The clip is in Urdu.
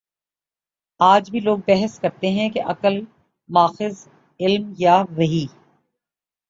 آج بھی لوگ بحث کرتے ہیں کہ عقل ماخذ علم یا وحی؟